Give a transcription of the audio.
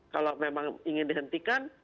kalau memang ingin dihentikan